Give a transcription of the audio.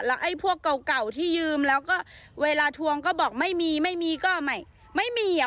ไอ้พวกเก่าเก่าที่ยืมแล้วก็เวลาทวงก็บอกไม่มีไม่มีก็ไม่ไม่มีอ่ะ